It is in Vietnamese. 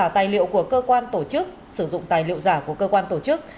tài liệu của cơ quan tổ chức sử dụng tài liệu giả của cơ quan tổ chức